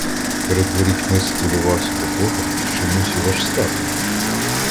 Перед ворітьми схвилювався до того, що мусів аж стати.